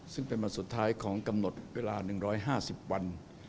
ซึ่งเป็นวันสุดท้ายของกำหนดเวลา๑๕๐วัน